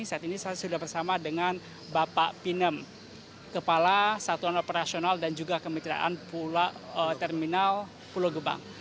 saat ini saya sudah bersama dengan bapak pinem kepala satuan operasional dan juga terminal pulau gebang